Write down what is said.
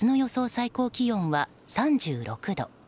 最高気温は３６度。